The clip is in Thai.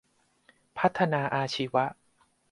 พัฒนาอาชีวะ